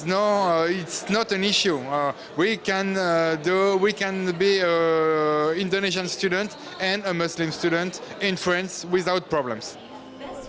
kita bisa menjadi pelajar indonesia dan pelajar muslim di perancis tanpa masalah